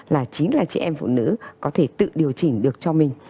là chính là chị em phụ nữ có thể tự điều chỉnh được cho mình